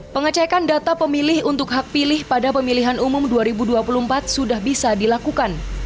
pengecekan data pemilih untuk hak pilih pada pemilihan umum dua ribu dua puluh empat sudah bisa dilakukan